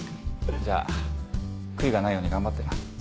じゃあ悔いがないように頑張ってな。